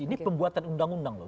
ini pembuatan undang undang loh